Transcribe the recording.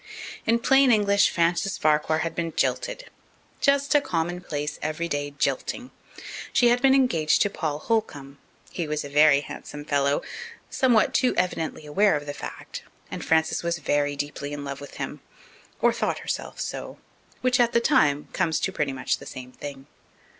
In plain English, Frances Farquhar had been jilted just a commonplace, everyday jilting! She had been engaged to Paul Holcomb; he was a very handsome fellow, somewhat too evidently aware of the fact, and Frances was very deeply in love with him or thought herself so, which at the time comes to pretty much the same thing.